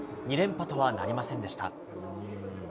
２連覇とはなりませんでした。